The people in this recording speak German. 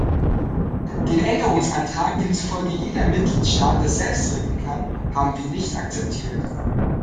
Den Änderungsantrag, dem zufolge jeder Mitgliedstaat das selbst regeln kann, haben wir nicht akzeptiert.